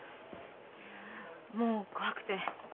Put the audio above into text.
もう怖くて。